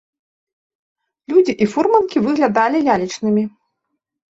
Людзі і фурманкі выглядалі лялечнымі.